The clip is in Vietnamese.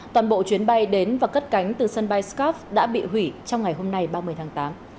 toàn bộ chuyến bay đến và cất cánh từ sân bay skop đã bị hủy trong ngày hôm nay ba mươi tháng tám